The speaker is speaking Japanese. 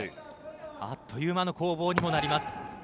あっという間の攻防になります。